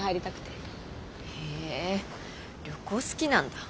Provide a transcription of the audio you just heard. へえ旅行好きなんだ。